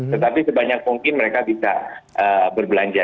tetapi sebanyak mungkin mereka bisa berbelanja